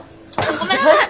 ごめんなさい！